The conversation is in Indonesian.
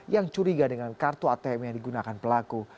yang curiga dengan kartu atm yang digunakan pelaku